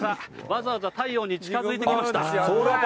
わざわざ太陽に近づいてきました。